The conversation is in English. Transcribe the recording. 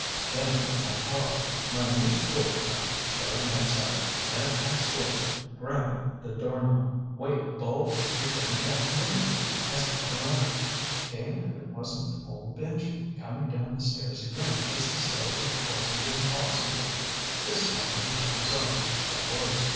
Then I heard my car, my new sport car, starting outside and I swore, grabbing the doorknob. "Wait, Bull. You couldn't catch me." I spun around. Damned if it wasn't old Benji, coming down the stairs again just as though it wasn't impossible. This time he looked himself, but worse.